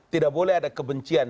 tidak boleh ada kebencian